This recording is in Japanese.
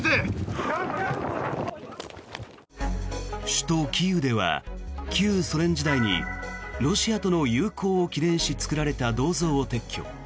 首都キーウでは旧ソ連時代にロシアとの友好を記念し作られた銅像を撤去。